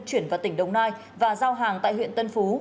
chuyển vào tỉnh đồng nai và giao hàng tại huyện tân phú